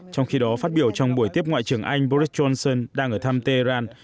trong khi đó phát biểu trong buổi tiếp ngoại trưởng anh boris johnson đang ở thăm tehran